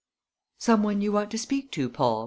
"Some one you want to speak to, Paul?"